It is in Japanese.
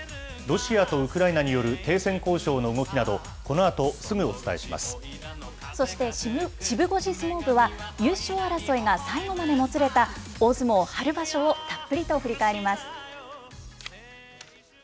ロシアとウクライナによる停戦交渉の動きなど、このあと、そして、シブ５時相撲部は、優勝争いが最後までもつれた大相撲春場所をたっぷりと振り返ります。